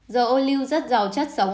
dầu ô lưu rất giàu chất sống